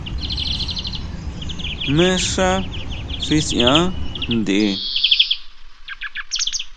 ¿Jmé xá xi siʼan ntʼe?